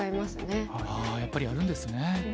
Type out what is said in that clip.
ああやっぱりやるんですね。